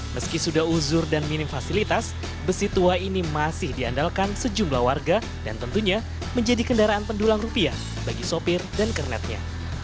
meski sudah uzur dan minim fasilitas besi tua ini masih diandalkan sejumlah warga dan tentunya menjadi kendaraan pendulang rupiah bagi sopir dan kernetnya